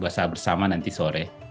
buka puasa bersama nanti sore